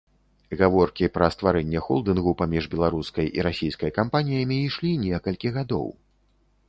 Гаворкі пра стварэнне холдынгу паміж беларускай і расійскай кампаніямі ішлі некалькі гадоў.